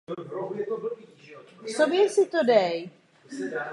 Tato funkce uchovávání hodnoty peněz je silně omezena při inflaci.